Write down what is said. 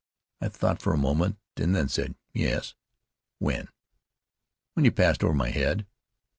I thought for a moment, and then said, "Yes." "When?" "When you passed over my head."